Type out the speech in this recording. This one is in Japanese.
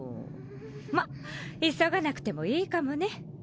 まっ急がなくてもいいかもね。